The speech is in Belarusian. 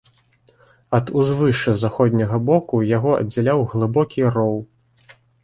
Ад узвышша з заходняга боку яго аддзяляў глыбокі роў.